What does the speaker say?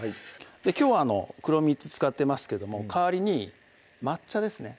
きょうは黒蜜使ってますけども代わりに抹茶ですね